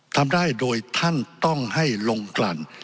ทำได้โดยท่านต้องให้ลงกลั่น